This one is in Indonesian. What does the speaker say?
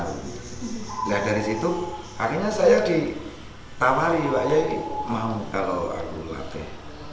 nah dari situ akhirnya saya ditawari mbak yeni mau kalau aku latih